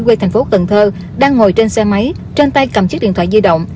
quê tp cần thơ đang ngồi trên xe máy trên tay cầm chiếc điện thoại di động